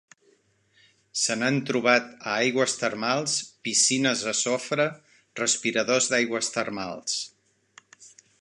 Se n'han trobat a aigües termals, piscines de sofre, respiradors d'aigües termals.